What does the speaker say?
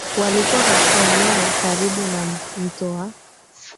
walikuwa katika eneo karibu na mto wa